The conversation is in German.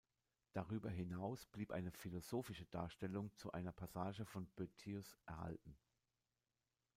Darüber hinaus blieb eine philosophische Darstellung zu einer Passage von Boëthius erhalten.